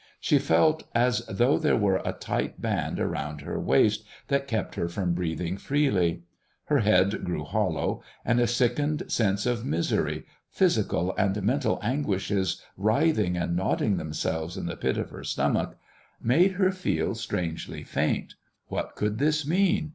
She felt as though there were a tight band around her waist that kept her from breathing freely. Her head grew hollow; and a sickened sense of misery physical and mental anguishes writhing and knotting themselves in the pit of her stomach made her feel strangely faint. What could this mean?